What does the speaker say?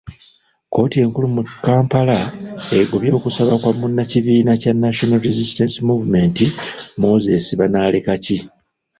Kkooti enkulu mu Kampala egobye okusaba kwa munnakibiina kya National Resistance Movement Moses Banalekaki.